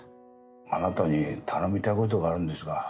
あなたに頼みたいことがあるんですが。